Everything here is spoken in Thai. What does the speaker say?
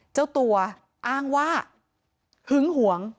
เจ้าตัวอ้างว่าหึงหวง